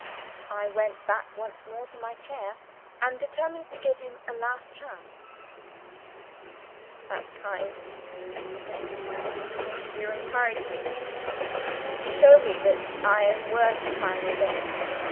I went back once more to my chair, and determined to give him a last chance. "That's kind," he said. "You encourage me; you show me that I am worth trying again.